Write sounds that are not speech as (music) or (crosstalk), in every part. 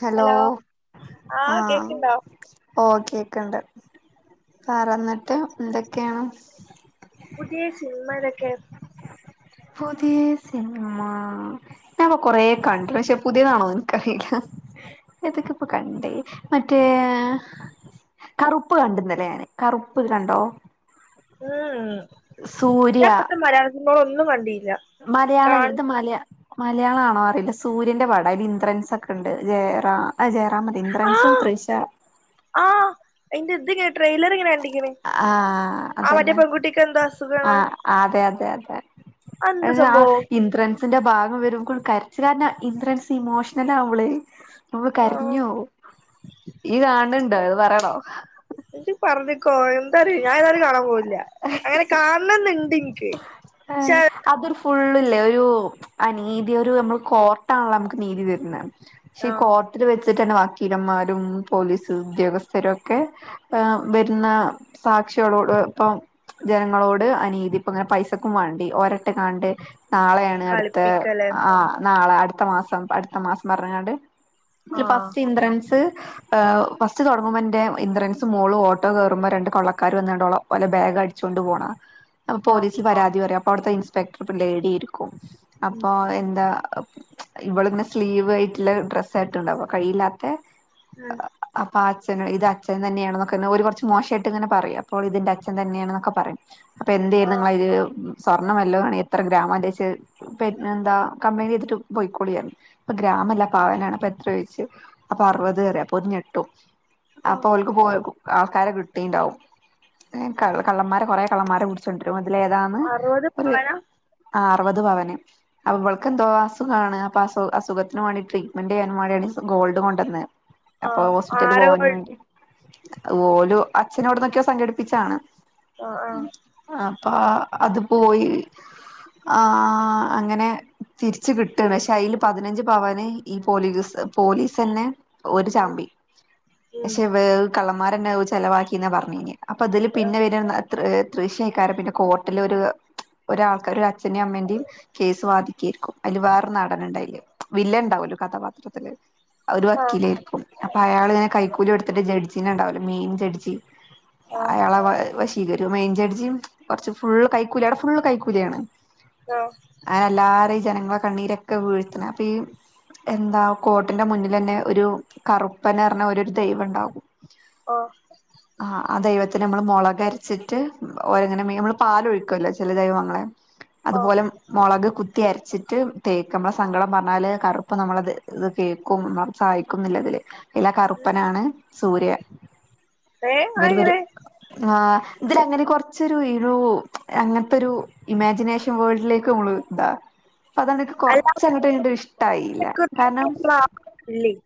Hello ആഹ് ഓഹ് കേക്ക്ണ്ട് ആരാന്നട്ട് എന്തൊക്കേണ്? പുതിയ സിൻമേതൊക്കെ? പുത്യേ സിൻമാ. ഞാപ്പ കൊറേ കണ്ട് പക്ഷെ പുതിയതാണോന്ന്ൻക്കറീല. ഏതൊക്കെപ്പൊ കണ്ടഹ് മറ്റേ കറുപ്പ് കണ്ട് ന്നലെ ഞാന് കറുപ്പ് കണ്ടോ? ഉം ഉം.. സൂര്യ ഞാപ്പത്തെ മലയാളസിൻമകളൊന്നും കണ്ടില്ല. കാണ് മലയാളല്ലത് മലയ- മലയാളാണോ അറിയില്ല സൂര്യന്റെ പട അയ്ല്ന്ദ്രൻസക്കെണ്ട് ജെയറാ അഹ് ജയറാമല്ല ഇന്ദ്രൻസും ആഹ് തൃഷ ആഹ് അയ്ന്റെ ഇത് കേ ട്രെയിലറിങ്ങനെ കണ്ടി. ആഹ് അതന്നെ എന്തോ അസുഖാണ് ആഹ് അതെ അതെ അതെ. അതെന്താ ഏഹ് ആഹ് സംഭവം ഇന്ദ്രൻ ന്റെ ഭാഗം വരുമ്പോ കരച്ച്ലാര്ണം ഇന്ദ്രൻസ് ഇമോഷണൽ ആവ്ണ് നമ്മ ആഹ് കരഞ്ഞോവും. യ്യ് കാൺണ് ണ്ടോ അത് പറ്യണോ ഇജ്ജ് പർഞ്ഞ്ക്കോ, എന്തറിഞാ ഏതായാലും കാണാൻ പോണില്ല. അങ്ങനെ കാൺണന്ന് ആഹ് അത് ഫുള്ള്ല്ലേ ഒരു അനീതി ഒരു നമ്മള് കോർട്ടാണല്ലോ നമുക്ക് നീതി തര്ണത് പക്ഷെ ഈ ആഹ് കോർട്ടിൽ വെച്ചിട്ടന്നെ വക്കീലന്മാരും പോലീസ് ഉദ്യോഗസ്ഥരൊക്കെ ആഹ് വരുന്ന സാക്ഷികളോട് ഇപ്പം ജനങ്ങളോട് അനീതി പ്പ്ങ്ങനെ പൈസക്കും വാണ്ടി ഓരട്ട്ക്കാണ്ട് നാളേ അടുത്ത കളിപ്പിക്കലേ ആഹ് നാളെ അടുത്ത മാസം അടുത്ത മാസം പർഞ്ങ്കാണ്ട് തില് ആഹ് ഫസ്റ്റ് ഇന്ദ്രൻസ് ഹ് ഫസ്റ്റ് തൊടങ്ങുമ്പോ ഇന്റെ ഇന്ദ്രൻസും മോളും ഓട്ടോ കേറുമ്പോ രണ്ട് കൊള്ളക്കാര് വന്ന്ങ്കാണ്ട് ഓള് ഓലെ ബാഗ് അടിച്ചോണ്ട് പോണാ അപ്പ ആഹ് പോലീസിൽ പരാതി പറയും അപ്പ അവിടുത്തെ ഇൻസ്പെക്ടപ്ള്ള ലേഡിയായിരിക്കും ഉം അപ്പൊ ഹ് എന്താ ഇവളിങ്ങനെ സ്ലീവ് ആയിട്ട്ള്ള ഡ്രസ്സാണ് ഇട്ട്ണ്ടാവാ കയ്യില്ലാത്തെ ആഹ് അപ്പൊ അച്ഛന് ഇത് അച്ഛൻ തന്നെയാണെന്നൊക്കെ ഒരു കുറച്ച് മോശായിട്ട്ങ്ങനെ പറയും അപ്പോൾ ഇതിന്റെ അച്ഛൻ തന്നെയാണെന്നൊക്കെ പറയും അപ്പൊ എന്തേര്ന്നു ആഹ് ഇങ്ങളയിൽ സ്വർണ്ണ വല്ലോ ആണെയില് എത്ര ഗ്രാമാണ് പിന്നെ എന്താ കംപ്ലയിന്റ്യ്തിട്ട് പോയിക്കോളിന്ന്റയും അപ്പ ഗ്രാമല്ല പവനാണ് അപ്പൊ എത്രേ ചോയ്ച്ച് അപ്പൊ അറുവത് ന്നറയും അപ്പൊ ഓര് ഞെട്ടും ആഹ് അപ്പൊ ഓല്ക്ക് പോയപ്പോ ആൾക്കാരെ കിട്ടിണ്ടാവും കള്ള കള്ളന്മാരെ കൊറെ കള്ളന്മാരെ ചുണ്ടരുംമുതല ഇതിലെതാന്ന് അറുപത് ഒരു പവനാ അറുവത് പവന് ആഹ് ഇവൾക്കെന്തോ അസു ആണ് അപ്പൊ അസു അസുഖത്തിന് വേണ്ടി ട്രീറ്റ്മെന്റിയ്യാൻ വാണ്ടിയാണ് ഗോൾഡ് കൊണ്ടുവന്ന് അപ്പൊ ആഹ് ഹോസ്പിറ്റലിൽ ആര പോവാൻ ഗോൾഡ് വേണ്ടി ഓല് അച്ഛനോടന്നൊക്കെയൊ സംഘടിപ്പിച്ചാണ് ആഹ് ഹാ അപ്പൊ അത് പോയി ആഹ് അങ്ങനെ തിരിച്ച കിട്ടാണ് പക്ഷെ അയിൽ പതിനഞ്ച് പവന് ഈ പോലീസ് പോലീസന്നെ ഓര് ഉം ചാമ്പി ഉം പക്ഷെ വേഹ് കള്ളന്മാരന്നെ ചെലവാക്കിന്നാ പറഞ്ഞീന് അപ്പൊ അതില് ആഹ് പിന്നെ വരാ തൃ തൃശേക്കാരം പിന്നെ കോട്ടിലൊരു ഒരാൾക്കര് ഒരു അച്ന്റിം അമ്മന്റിം കേസ് വാദിക്കേരിക്കും അതില് വേറെ നടന്ണ്ടയില് വില്ലൻ ഉണ്ടാവോലോ കഥാപാത്രത്തില് അവ ഒരു വക്കീലായിരിക്കും അപ്പൊ അയാൾ ഇങ്ങനെ കൈക്കൂലി കൊടുത്തിട്ട് ജഡ്ജിനെണ്ടാവൂലെ മെയിൻന്റ് അടിച്ച് ആഹ് അയാളെ വ വശീകരു മെൻ ജഡ്ജിം കുറച്ച് ഫുള്ള് കൈക്കൂലി അവടെ ഫുള്ള് കൈക്കൂലിയാണ് ഓ അങ്ങനെ എല്ലാരും ജനങ്ങള കണ്ണീരൊക്കെ വീഴ്ത്ത്ണ അപ്പൊ ഈ എന്താ കോട്ടിന്റെ മുന്നിലന്നെ ഒരു കറുപ്പന്ന്ന് പറഞ്ഞ ഓലെ ഒരു ദൈവം ഉണ്ടാകും ഓഹ് ആഹ് ആഹ് ദൈവത്തിനെ മ്മള് മൊളകരച്ചിട്ട് ഓരങ്ങനെ നമ്മള് പാല് ഒഴിക്കല്ലോ ചെല ദൈവങ്ങളെ ഓ അതുപോലെ മുളക് കുത്തി അരച്ചിട്ട് തേക്ക നമ്മളെ സങ്കളം പറഞ്ഞാല് കറുപ്പ് നമ്മളെ കേക്കും നമ്മളെ സഹായിക്കുന്നില്ലതില് ഇയിലെ ഉം. കറുപ്പനാണ് സൂര്യ ഏ ഇവര് വര് അങ്ങനെ ആഹ് ഇതിലങ്ങനെ കൊറച്ചൊരു ഇരു അങ്ങനത്തെ ഒരു ഇമാജിനേഷൻ വേൾഡിലേക്ക് നമ്മള് ഇതാ അതോണ്ട് ഇക്ക് അല്ല കൊറച്ചങ്ങട്ട്ട് ഇഷ്ട്ടായില കാരണം ഇല്ലേയ്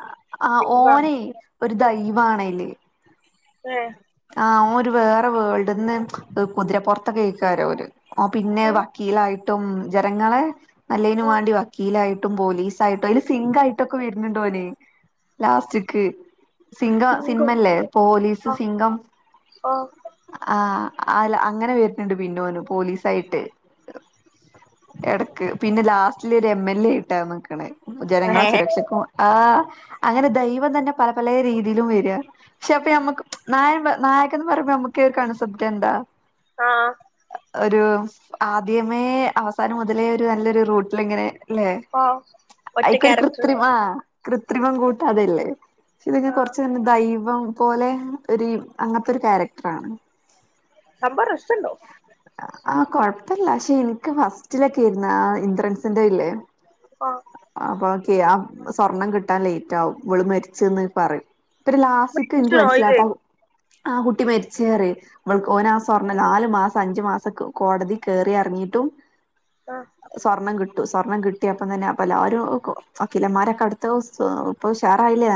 അഹ് ആഹ് ഓനെയ് ഒരു ദൈവണയ്ല് ഏഹ് ആഹ് ഓന് വേറൊരു വേൾഡ്ന്ന് കുതിരപ്പൊറത്തക്കായ്ക്കാരോര് ഓൻ പിന്നെ ആ വക്കീലായിട്ടും ജനങ്ങളെ നല്ലതിനന് ഓ വേണ്ടി വക്കീലായിട്ടും പോലീസ ആയിട്ടും അതില് സിംഗ ആയിട്ടൊക്കെ വരുന്നുണ്ട് ഓന്ലാസ്റ്റിക് സിംഗ സിംഗം സിനിമല്ലേ പോലീസ് ആ സിംഗം ഓ ആഹ് അല്ല അങ്ങനെ വരണ്ട് പിന്നെന്ന് പോലീസായിട്ട് ഇടക്ക് പിന്നെ ലാസ്റ്റില് ഒരു എം എൽ എ ഇട്ടാ നക്കണ ഏ ജനങ്ങളെ സുരക്ഷക്ക് ആഹ് അങ്ങനെ ദൈവം തന്നെ പല പല രീതിയിലും വര പക്ഷെ അപ്പ നമ്മക്ക് നായ നായകന്ന് പറയ്മ്പോ നമ്മക്ക് ഒരു (unintelligible) എന്താ ആഹ് ഒരു ആദ്യമേ അവസാനം മുതലേ ഒരു നല്ലൊരു റൂട്ടില് ഇങ്ങനെ ലെ ഓ ഒറ്റ ഐക്കൊരു ക്യാരക്ടർ കൃത്രിമ കൃത്രിമം കൂട്ടാതെല്ലേ ഷെത് കഴിഞ്ഞാ ആ കൊർച്ചനെ ദൈവം പോലെ ഒരു അങ്ങൻത്തെ ഒരു ക്യാരക്ടറാണ് സംമ്പവം രസണ്ടാവും ആഹ് കൊഴപ്പല്ല പക്ഷെ എനിക്ക് ഫസ്റ്റിലൊക്കെരുന്നു ഇന്ദ്രസിന്റെ ഇല്ലേ ആ അപ്പൊ ഓക്കെ ആഹ് സ്വർണം കിട്ടാൻ ലേറ്റ് ആവും ഓള് മരിച്ച്ന്ന് പറയും തര് ലാസ്റ്റ്ക്ക് ഇൻക്ക് ഓയില് മനസ്സിലാവാത്ത ആഹ് കുട്ടി മരിച്ചേ അറിം ഓൾക്ക് ഓനാ സ്വർണ്ണം നാല് മാസം, അഞ്ചു മാസം കോടതി കേറി എറങ്ങിട്ടും ആ സ്വർണ്ണം കിട്ടും സ്വർണ്ണം കിട്ടിയപ്പം തന്നെ അപ്പല്ലാരും വക്കീല മാരൊക്കെ അടു (unintelligible) ഇപ്പ ഉഷാറായില്ലേ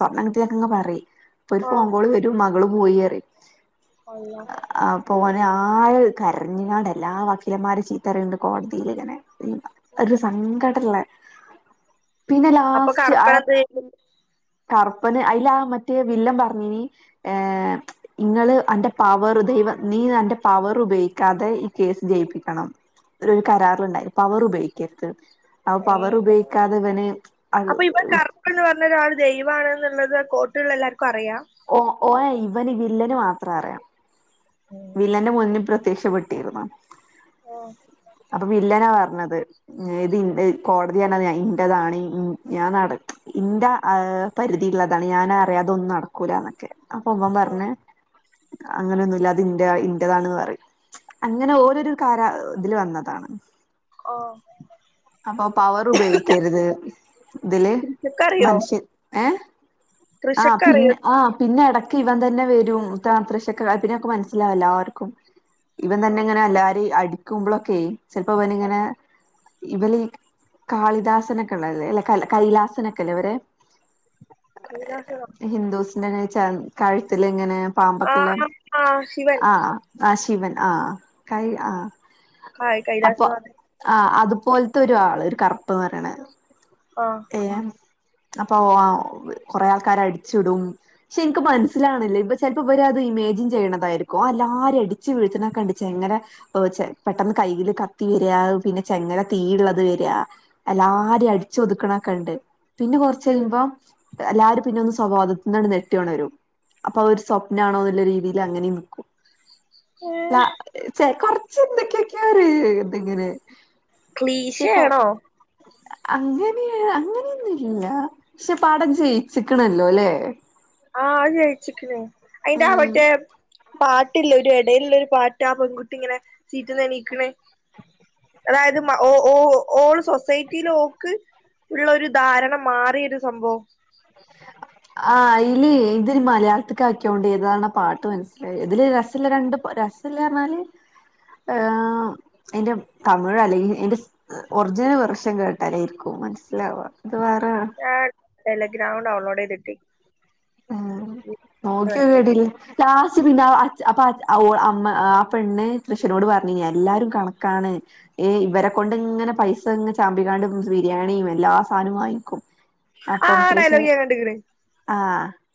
സ്വർണ്ണം കിട്ടിക്കെ പറയ് ഇപ്പൊ ഒരു ഓ ഫോൺ കോള് വരും മ കള് പോയിന്ന് പറിം അല്ല ആ അപ്പോ ഓന് ആഹ് കരഞ്ങ്ങാട് എല്ലാ വക്കീലന്മാരിം ചീത്ത പറിണ്ട് കോടതിയിൽ ഇങ്ങനെ ഒരു സംഘടല്ലേ പിന്നെ ലാസ് കർപ്പന എന്ത്‌യ്തു? കർപ്പന് അയ്ല ആ മറ്റേ വില്ലം പർഞ്ഞിനി ഏഹ് ഇങ്ങള് അന്റെ പവറ് ദൈവം നീ അന്റെ പവറ് ഉപയോഗിക്കാതെ ഈ കേസ് ജയിപ്പിക്കണം ഒരു കരാറുണ്ടായി പവറ് ഉപയോഗിക്കരുത് അപ്പൊ പവറ് ഉപയോഗിക്കാതെ ഇവന് അത് അപ്പ ഇവൻ കർപ്പൻ എന്ന് പറഞ്ഞ ഒരാള് ദൈവാണ് ഇന്ന്ള്ളത് കോട്ടുള്ള എല്ലാർക്കും അറിയാ ഓഹ് ഓന് ഇവന് വില്ലന് മാത്രം അറിയാ ഉം. വില്ലന്റെ മുന്നിൽ പ്രത്യക്ഷപ്പെട്ടിരുന്നോ ആഹ് അത് വില്ലനാ പർഞ്ഞത് ഇത്ന്റെ കോടതിയാണ് അത് ഇന്റതാണ് ഞാൻ നട ഇന്റ പരിധി ഇള്ളതാണ് ഞാൻ അറിയാതെ ഒന്നും നടക്കൂല ന്നൊക്കെ അപ്പൊ ഇവൻ ഓ പർഞ് അങ്ങനെ ഒന്നുല്ല ന്റ ഇന്റതാണ് പറിം അങ്ങനെ ഓര് കര ഇതില് വന്നതാണ് ഓഹ് അപ്പൊ പവറ് ഉപയോഗിക്കരുത് ഇതില് കൃഷക്കറിയോ മനുഷ്യൻ ഏഹ് ആഹ് കൃഷക്കറിയോ പിന്നെ ആഹ് പിന്നെ എടയ്ക്ക് ഇവൻ തന്നെ വെരും തത്രശക്കെ പിന്നെക്കെ മനസ്സിലാവില്ല ആർക്കും ഇവൻ തന്നെ ഓ ഇങ്ങനെ എല്ലാരിം അടിക്കുമ്പളോക്കെ ചേൽപ്പോ ഓ ഇവനിങ്ങനെ ഇവലി കാളിദാസനോക്കെ ഇള്ളതല്ലേ കൈലാസനോക്കെ ഇല്ലവരെ കൈലാസനോ ഹിന്ദൂസിന്റെ ഇങ്ങനെ കഴുത്തില് ഇങ്ങനെ പാമ്പക്കെല്ലേ ആഹ് ആഹ് ശിവൻ ആഹ് ആഹ് ശിവൻ ആഹ് കൈ ആഹ് കൈ കൈലാസ വാ ആഹ് അതുപോൽത്തെ ഒരു ആള് ഒരു കറുപ്പ്ന്ന് പറയ്ണ ആഹ് ഏഹ് അപ്പൊ കൊറേ ആൾക്കാരെ അടിച്ചിടും പക്ഷെ ഇൻക്ക് മനസ്സിലാവ്ണ്ല്ല ഇപ്പ ചേൽപ്പോ ഇവര അത് ഇമേജിൻ ചെയ്യണതായിരിക്കോ ഓൻ എല്ലാരിം അടിച്ച് വീഴ്ത്ത്ണ കണ്ട് ചേങ്ങല ഓഹ് ചെ പെട്ടൊന്ന് കൈയ്യില് കത്തി വേരാ പിന്നെ ചെങ്ങല തീ ഉള്ളത് വര, എല്ലാരിം അടിച്ച് ഒതുക്ക്ണക്കെണ്ട്. പിന്നെ കൊറച്ച് ഉം കഴിയുമ്പോ... എല്ലാരും പിന്നൊന്ന് സ്വവോതത്തിൽ നിന്നത് നെട്ടി ഉണരും. അപ്പൊ അവ ഒരു സ്വപ്നാണോ എന്നുള്ള രീതിയിൽ അങ്ങനെ നൽക്കും. ഏഹ് ചെ കൊറച്ച് എന്തൊക്കെക്കെ ഒര് ഇതിങ്ങനെ... ക്ഷെ ക ക്ലീശയാണോ അങ്ങനെ അങ്ങനെയൊന്നുംല്ല. പക്ഷെ പടം ജയിച്ചിക്കണല്ലോ ലേ? ആഹ, അത് ജയിച്ചിക്ക്ണ്. അയിന്റെ ആ ഉം മറ്റേ പാട്ടില്ലേ? ഒരു എടയിലുള്ള ഒരു പാട് ട്ട ആ പെൺകുട്ടി ഇങ്ങനെ, സീറ്റ് നനയീക്ക്ണേ. അതായത്, ഓ, ഓ, ഓള് സൊസൈറ്റീല് ഓൾക്ക്... ഉള്ള ഒരു ധാരണ മാറിയൊരു സംഭവം. ആഹ് അയില് ഇത് മലയാളത്ത്ക്ക് ആക്കിയോണ്ട്, ഏതാണ് പാട്ട് മനസ്സിലായി, ഇതില് രസല്ല രണ്ട് പാ രസ രസൽയാന്നർഞ്ഞാല്, ഹേ, അതിന്റെ തമിഴ് അല്ലെങ്കിൽ എയിന്റെ... ഒർജിനൽ വേർഷൻ കേട്ടാലേരിക്കും മനസ്സിലാവാ. ഇത് വേറെ ആണ്. ഞാൻല് ടെലിഗ്രാം ഡൗൺലോഡ് ചെയ്തിട്ട്. ആഹ്, നോക്കിയോകേ ആഹ് അടീല്. ലാസ്റ്റ് പിന്നെ അച് അപ്പ അമ്മ ആ പെണ്ണ് ത്തഷനോട് പറഞ്ഞീന്, എല്ലാരും കണക്കാണ്. ഈ ഇവരെ കൊണ്ട് ഇങ്ങനെ പൈസ ഇങ്ങനെ ചാമ്പികാണ്ട് ബിരിയാണിയും എല്ലാ സാധനം വാങ്ങിക്കും. ആ അപ്പം തൃശ്ശ ഡയലോഗ് ഞാൻ കണ്ട്ക്ക്ണ് ആഹ.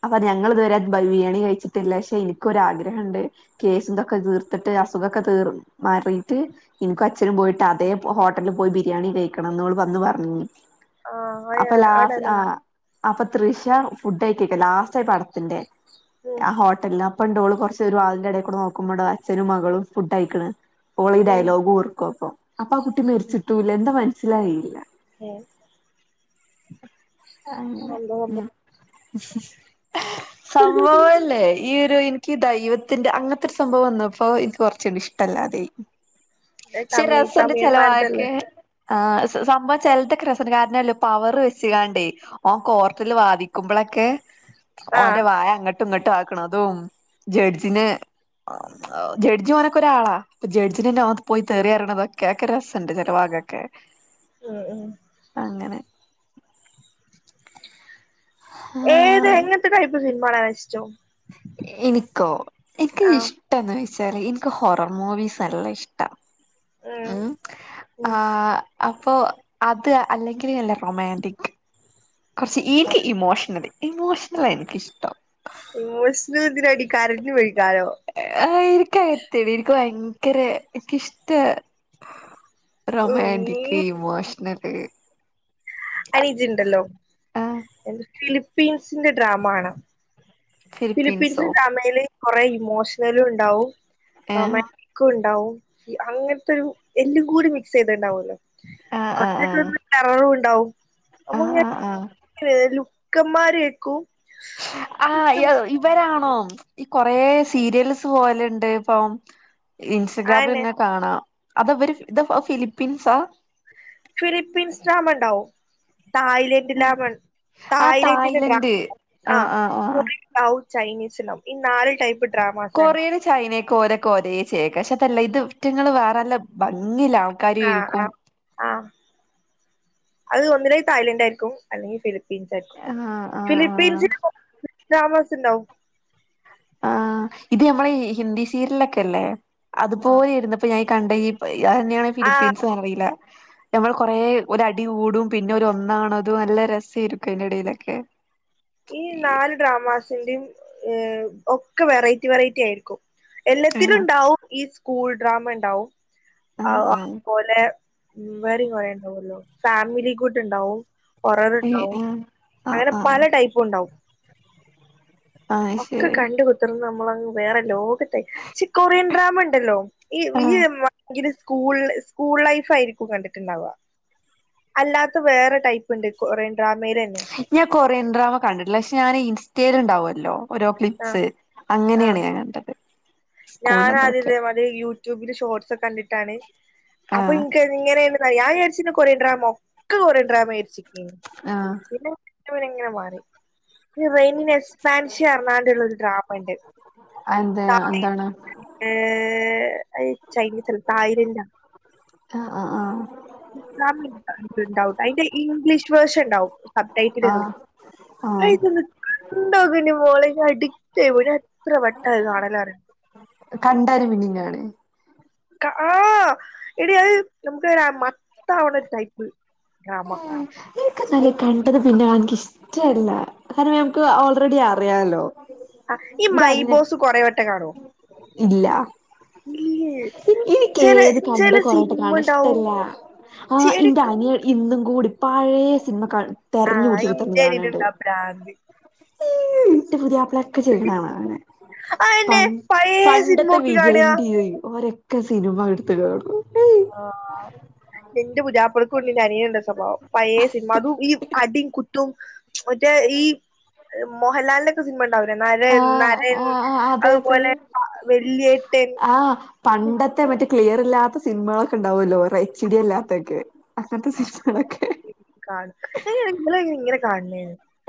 അപ്പൊ ഞങ്ങൾ ഇതുവരെ ബ ബിയാണി കഴിച്ചിട്ടില്ല, പക്ഷെ ഇനിക്കൊരാഗ്രഹണ്ട്... കേസന്തൊക്കെ തീർത്തിട്ട്, അസുഖൊക്കെ തീർ മാറിയിട്ട്... എനിക്കും അച്ഛനും പോയിട്ട്, അതേ ഹോട്ടലിൽ പോയി ബിരിയാണി കഴിക്കണംന്ന് ഓള് വന്നു പറഞ്ഞി. അപ്പൊ, ആഹ് ആ ലാസ് ഡയലോഗ് ആഹ. അപ്പൊ തൃഷ ഫുഡൈപിക്ക ലാസ്റ്റ് പടത്തിന്റെ. ഉം ആ ഓ അപ്പണ്ട് ഓള് കുറച്ച് വാതിലിന്റെ എടേ കൂടെ നോക്കുമ്പോ, അഛനും മകളും ഫുഡയിക്ക്ണ്. ഓള ഈ ഉം ഡയലോഗു ഓർക്കു അപ്പൊ, അപ്പൊ ആ കുട്ടി മരിച്ചിട്ടൂല്ല എന്താ മനസ്സിലായില്ല. ഏഹ് അങ്ങനെ ഉം, ഏഹ് സംഭവല്ലേ. ഈ ഒരു ഇൻക്ക് ദൈവത്തിന്റെ അങ്ങനത്തെ ഒരു സംഭവം വന്നപ്പോ എനിക്ക് കുറച്ച് ഒരു ഇഷ്ടമല്ലാതായി. പക്ഷെ, തമി രസണ്ട് തമിഴന്മാരതല്ലേ ചെലവാക്ക്. ആഹ് സംഭവം ചെൽ തൊക്ക രസണ്ട്, കാരണം പവറ് വെച്ച്കാണ്ടേ. ഓൻ കോർട്ടിൽ വാദിക്കുമ്പോളൊക്കെ ആഹ് ഓന്റെ വായ അങ്ങട്ട്... ട്ടുംങ്ങട്ട് ആക്കണതും, ജഡ്ജിനെ... ജഡ്ജ മനക്ക ഒരാളാ ഇപ്പൊ ജഡ്ജി ഓനൊക്കെ ഒരാള. ജഡ്ജി ഓൻ പോയി തെറി പറയിണത് ഒക്കെ കേൾക്കാൻ രസണ്ട് ചിലവാഗൊക്കെ. ഉം ഉം. അങ്ങനെ. ഏത് ആഹ് എങ്ങനത്തെ ടൈപ്പ് സിനിമ കാണാന ഇഷ്ടം? എനിക്കോ? എനിക്ക് ആഹ് ഇഷ്ടന്ന് വെച്ചാല് എനിക്ക് ഹൊറർ മൂവീസ് നല്ല ഇഷ്ട ട്ട. ഉം, ആ ഉം അപ്പോ അത് അല്ലെങ്കില് അല്ല... റൊമാൻറിക്... കുറച്ച് ഉം ഈറ്റി ഇമോഷണല്. ഇമോഷണല എനിക്കിഷ്ടം. ഇമോഷണല് എന്തിനാടി? കരഞ്ഞ് ഒഴിക്കാനോ? ആഹ്, എനിക്കത് ത്തിരി ഇൻക് ഭയങ്കര ഇൻകിഷ്ട. ഉം റൊമാന്റിക്, ഇമോഷണല്. അയിനിജുണ്ടല്ലോ? ആ എന്ത ഫിലിപ്പീൻസിന്റെ ഡ്രാമ കാണ. ഫിലിപ്പീൻസ് ഡ്രാമയില് കൊറേ ഇമോഷണലു ഉണ്ടാവും ആ റൊമാ ക്കു ഉണ്ടാവും, അങ്ങൻത്തൊരു, എല്ലും കൂടി മിക്സ് ചെയ്തണ്ടാവോല്ലോ. ആ അ (unintelligible) കററും ഉണ്ടാവും, ആ അപ്പൊ ആ ആ ഇങ്ങന ലുക്കന്മാരേക്കും. ആ, എ ഇവരാണോ ഈ കൊറെ സീരിയല്സ് പോലെ ഇണ്ട് ഇപ്പം ഇൻസഗ്രാമിൽ അയന്നെ ഇങ്ങ കാണാം അത അവര് ഇത് ഫിലിപ്പീൻസാ ഫിലിപ്പിൻസ് ട്രമ ഇണ്ടാവും തായ്‌ലേ (unintelligible) ആ തായ്ലന്റിന്റെ ഡ്രാമ തായ്ലൻഡ് ഇണ്ടാവും ആ, കുറി ഇണ്ടാവും ചൈനീസ് ഇണ്ടാവും ഈ നാല് ടൈപ്പ് ഡ്രാമാസാണ് കൊറിയറ് ചൈനക്കെ ഓരക്ക ഒരേ ചെക്ക പക്ഷെ അതല്ല ഇത് ഇറ്റങ്ങള് വാറല്ല ഭംഗി ഇല്ല ആൾ ആ, ആ, ആ അത് ഒന്നല്ലങ്കി തായ്ലന്റ് ആയിരിക്കും അല്ലെങ്കി ഫിലി പ്പീൻസ് ആയിരിക്കും. ആ ആ ആ ഫിലിപ്പീൻസിന് താമസണ്ടാവും ആഹ് ഇത് ഞമ്മളെ ഹിന്ദി സീര്ലൊക്കെല്ലേ ആഹ് അതുപോലെ ഇര്ന്നപ്പോ ഞാൻ കണ്ട ഈ അതെന്നെണ് ആഹ് ഫിലിപ്പീൻസ് അറീല ഞമ്മള് കൊറേ ഓര് അടികൂടും പിന്നെ ഓര് ഒന്നാവണതും നല്ല രസേയിരിക്കും അയിന്റെ എടെലൊക്കെ ഈ നാല് ഡ്രാമാസിന്റിം ഏ ഒക്ക വെറൈറ്റി വെറൈറ്റി ആയിരിക്കും എല്ലത്തിലും ആഹ് ഇണ്ടാവും ഈ സ്കൂൾ ഡ്രാമ ഇണ്ടാവും ആഹ് അത് ആഹ് പോലെ ഉം വേറിം കൊറേ ഇണ്ടാവോല്ലോ ഫാമിലി ഗുഡ് ഇണ്ടാവും ഹോററ് ഏഹ് ഇണ്ടാവും ആഹ് അങ്ങനെ ആഹ് ആഹ് പല ടൈ പ്പു ഉണ്ടാവും ആഹ് ഒക്ക ശരി കണ്ട്‌വ് ന്ന് നമ്മളങ്ങ് വേറെ ലോകത്തെ ചി കോറിയൻ ഡ്രാമ ഇണ്ടല്ലോ ഈ ഈ ആഹ് ഭയങ്കര കൂൾ സ്കൂൾ ലൈഫ് ആയിരിക്കും കണ്ടിട്ട്ണ്ടാവ അല്ലാത്ത വേറെ ടൈപ്പ് ഇണ്ട് കൊറിയൻ ഡ്രാമെലെന്നെ ഞാൻ കൊറിയൻ ഡ്രാമ കണ്ടിട്ടില്ല പക്ഷെ ഞാന് ഇൻസ്റ്റേല്ണ്ടാവോല്ലോ ഓരോ ആ ക്ലിപ്സ് അങ്ങനെണ് ഞാൻ കണ്ടത് ഞാന ആദ്യ സ്കൂളിനതൊക്കെ ഇതേ മാതിരി യൂട്യൂബില് ഷോർട്സ് കണ്ടിട്ടാണ് അപ്പൊ ആഹ് ഇൻക് ഇങ്ങനെണ് (unintelligible) ഞാൻ വിചാരിച് കൊറിയൻ ഡ്രാമ ഒക്ക കൊറിയൻ ഡ്രാമെ വിചാരിച്ക്കെനി ആ പിന്നെ ഇങ്ങനെ മാറി ഈ റൈനിനെ സ്പേൻഷി പർഞാണ്ട്ള്ളര് ഡ്രമ ഇണ്ട് എന്ത (unintelligible) എന്താണ് അത് ചൈനീസ അല്ല തായ്‌ലന്റ ആ ആ ആ ഇസ്ലാമിൽ (unintelligible) ഇണ്ടാവും അയിന്റെ ഇംഗ്ലീഷ് വേർഷൻ ഇണ്ടാവും സബ്ടൈറ്റില്ന്ന് ആഹ് അത് ആഹ് ഇജ്ജോന്ന് കണ്ടോകണ്ടി മോളെ അഡിക്റ്റായി പോവും ഞാൻ എത്ര വട്ട അത് കാണലറിയോ കണ്ടാല് പിന്നിം കാണെ ക ആ എടി അത് നമക്ക് ഇങ്ങനെ മത്താവ്ണ ടൈപ്പ് ഡ്രാമ എനിക്കന്നാലെ കണ്ടത് പിന്നെ എനിക്ക് ഇഷ് റ്റല്ല കാരണം നമുക്ക് ഓൾറെഡി അറിയാലോ അ ഈ മൈബോസ് കൊറേ വട്ടം കാണോ ഇല്ലാ ഇൻക്ക് ചില ഏത് ചില കണ്ട കൊറേ വട്ടം സിനിമ കാണാ ഉണ്ടാവും ഇഷ്ടല്ല ആ ഇന്റെ ശരിക്ക് അനി ഇന്നും കൂടി പഴേ സിൻമ ക തെര്ഞ് പുട്ച്ച് കുത്തർന്ന് കാണെണ്ട് ഭ്രാന്ത്‌ ഈ ഇന്റെ പുതിയാപ്പള ഒക്കെ ചെയ്യ് ണാണ അങ്ങനെ ആ എന്നെ പഴയ സിനിമ പണ്ടത്തെ നോക്കി കാണുക. വിജയിന്റെ ഒക്കെ സിനിമ ഇടുത്ത് കാണും ആഹ് ഇന്റെ പുതിയാപ്ലകുണ്ട് ഞനിയെ ള്ള സ്വഭാവം പയേ സിനിമ അതും ഈ അടിം കുത്തും മറ്റേ ഈ മോഹൻലാലിന്റെ സിനിമ ഉണ്ടാവൂലെ ആ നരൻ നരൻ ആ ആ അതെ അതെ അതുപോലെ വല്യേട്ടൻ ആഹ് പണ്ടത്തെ മറ്റേ ക്ലിയർ ഇല്ലാത്ത സിനിമകളൊക്കെ ഉണ്ടാവുല്ലോ റൈച്ചിടി എല്ലാത്തൊക്കെ അസനത്ത് ശീഷണ ക്കെ കാണ്ക്ക് അയിന് ങ്ങള് ഇങ്ങനെ കാണ്ണെ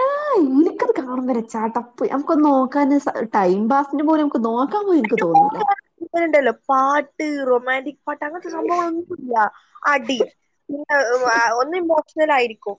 ആഹ് ഇന്നിക്ക് അത് കാണുംമ്പന്നെ ചടപ്പ് നംക്കൊന്ന് നോക്കാന് സ ടൈം പാസ്ന് പോലും നംക്ക് നോക്കാൻ പോലും ൻക്ക് തോന്നൂല ഇങ്ങനെ ണ്ടല്ലോ പാട്ട് റൊമാന്റിക് പാട്ട് അങ്ങൻത്തെ സംഭവങ്ങളൊന്നുംല്ലാ അടി പിന്നെ ആ ഒന്ന് ഇമോഷ്ണലായിരിക്കും